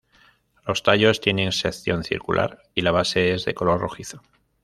Los tallos tienen sección circular y la base es de color rojizo.